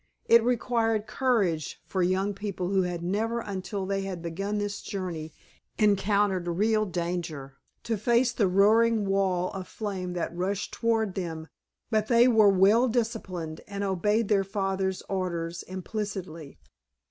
It required courage for young people who had never, until they had begun this journey, encountered real danger, to face the roaring wall of flame that rushed toward them, but they were well disciplined and obeyed their father's orders implicitly.